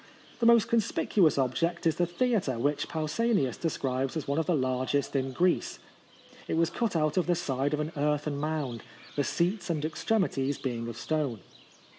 The most conspicuous object is the theatre, which Pausanias describes as one of the largest in Greece. It was cut out of the side of an earthen mound, the seats and extremities being of stone.